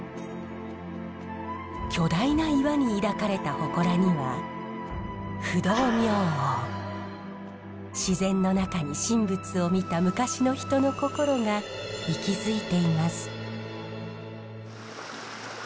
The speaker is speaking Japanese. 巨大な岩に抱かれた祠には自然の中に神仏を見た昔の人の心が息づいています。